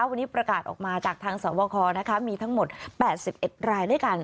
วันนี้ประกาศออกมาจากทางสวบคมีทั้งหมด๘๑รายด้วยกัน